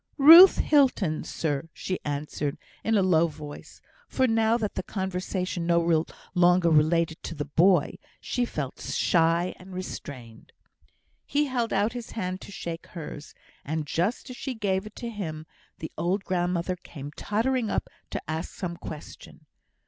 "Ruth Hilton, sir," she answered, in a low voice, for, now that the conversation no longer related to the boy, she felt shy and restrained. He held out his hand to shake hers, and just as she gave it to him, the old grandmother came tottering up to ask some question.